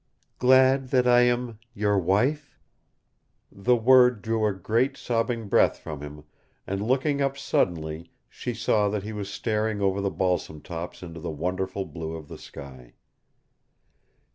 "Glad that I am your wife?" The word drew a great, sobbing breath from him, and looking up suddenly she saw that he was staring over the balsam tops into the wonderful blue of the sky.